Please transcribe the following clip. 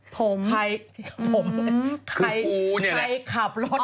ผมอื้อคือกูนี่แหละ